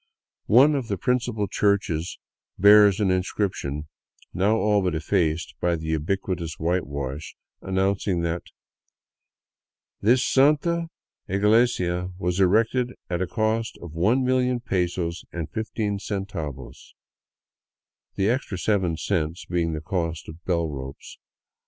One of the principal churches bears an inscription, now all but effaced by the ubiquitous whitewash, an nouncing that " This santa eglesia was erected at the cost of one million pesos and fifteen centavos," the extra seven cents being the cost of bell ropes.